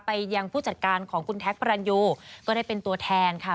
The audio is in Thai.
ยังผู้จัดการของคุณแท็กพระรันยูก็ได้เป็นตัวแทนค่ะ